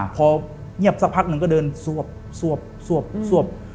พอเงียบสักพักหนึ่งก็เดินสวบสวบสวบสวบ